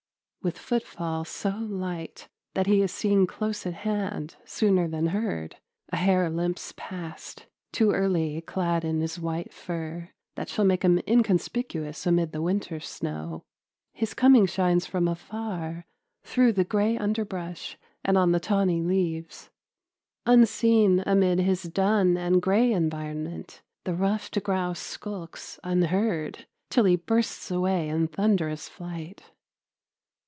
With footfall so light that he is seen close at hand sooner than heard, a hare limps past; too early clad in his white fur that shall make him inconspicuous amid the winter snow, his coming shines from afar through the gray underbrush and on the tawny leaves. Unseen amid his dun and gray environment, the ruffed grouse skulks unheard, till he bursts away in thunderous flight.